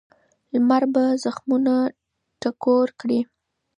لمر به زخمونه ټکور کړي.